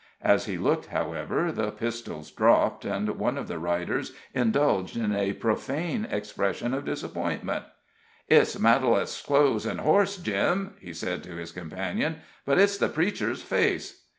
As he looked, however, the pistols dropped, and one of the riders indulged in a profane expression of disappointment. "It's Matalette's clothes and horse, Jim," he said to his companion, "but it's the preacher's face.